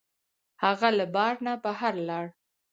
هغه له بار نه بهر لاړ.